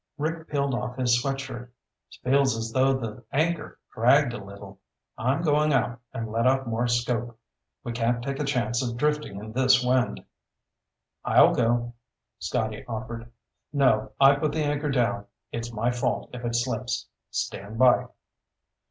Rick peeled off his sweat shirt. "Feels as though the anchor dragged a little. I'm going out and let out more scope. We can't take a chance of drifting in this wind." "I'll go," Scotty offered. "No. I put the anchor down. It's my fault if it slips. Stand by."